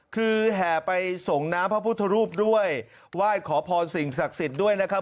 คือแห่ไปส่งน้ำพระพุทธรูปด้วยไหว้ขอพรสิ่งศักดิ์สิทธิ์ด้วยนะครับ